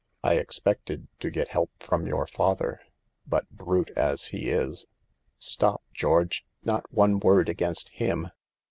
I expected to get help from your father, but brute as he is —"" Stop, George. Not one word against him.